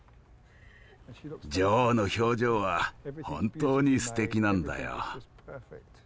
女王の表情は本当にすてきなんだよ。